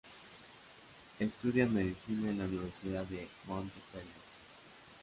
Estudia medicina en la Universidad de Montpellier.